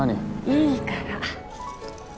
いいから。